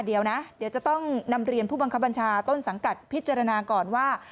เดี๋ยวนะเดี๋ยวจะต้องนำเรียนผู้บังคับบัญชาต้นสังกัดพิจารณาก่อนว่า